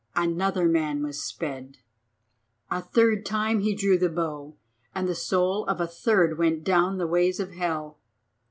another man was sped. A third time he drew the bow and the soul of a third went down the ways of hell.